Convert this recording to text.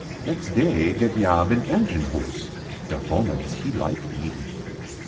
Next day get yob in engine bus ; Dae fomans he like mae.